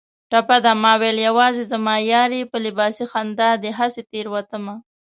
ټپه ده: ماوېل یوازې زما یار یې په لباسي خندا دې هسې تېروتمه